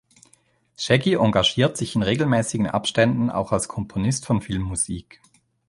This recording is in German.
Shaggy engagiert sich in regelmäßigen Abständen auch als Komponist von Filmmusik.